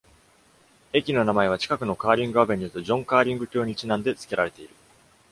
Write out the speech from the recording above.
駅の名前は、近くのカーリング・アベニューとジョン・カーリング卿にちなんで付けられている。